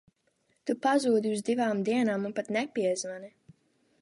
Tu pazūdi uz divām dienām un pat nepiezvani!